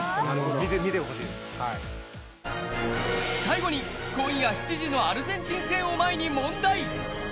最後に今夜７時のアルゼンチン戦を前に問題。